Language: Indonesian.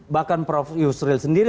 bahkan prof yusril sendiri